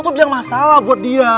lo tuh bilang masalah buat dia